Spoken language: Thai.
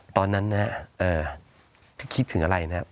ตอนนั้นนะคิดถึงอะไรนะ